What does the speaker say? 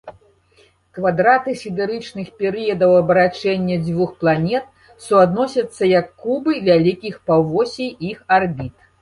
Квадраты сідэрычных перыядаў абарачэння дзвюх планет суадносяцца як кубы вялікіх паўвосей іх арбіт.